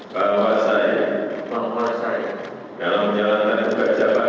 dalam menjalankan tugas sejabat